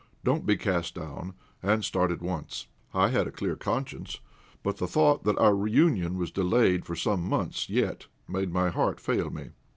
Don't be cast down, and start at once." I had a clear conscience, but the thought that our reunion was delayed for some months yet made my heart fail me.